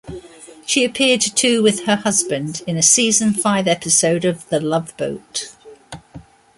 She appeared too with her husband in a season-five episode of "The Love Boat".